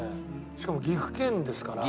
しかも岐阜県ですから。